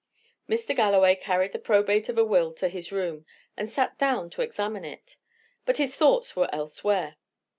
Mr. Galloway carried the probate of a will to his room, and sat down to examine it. But his thoughts were elsewhere.